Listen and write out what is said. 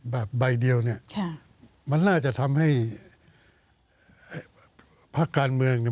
แบบใบเดียวเนี่ยมันน่าจะทำให้พักการเมืองเนี่ย